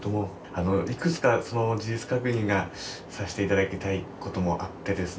あのいくつかその事実確認がさせて頂きたいこともあってですね。